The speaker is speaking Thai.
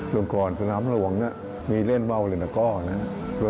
หลวงก่อนสนามหลวงนี่มีเล่นเว้าหรือตะกร้าวนี่